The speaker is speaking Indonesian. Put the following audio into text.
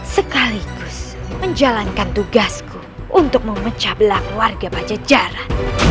sekaligus menjalankan tugasku untuk memecah belakang warga pajajara